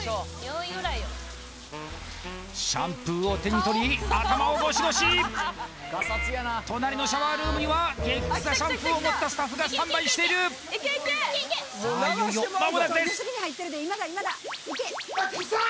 シャンプーを手に取り頭をゴシゴシ隣のシャワールームにはゲキ臭シャンプーを持ったスタッフがスタンバイしているさあ